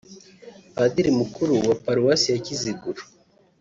Padiri mukuru wa Paruwasi ya Kiziguro